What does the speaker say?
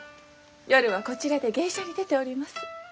夜はこちらで芸者に出ております。